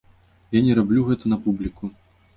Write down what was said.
Я не раблю гэта на публіку.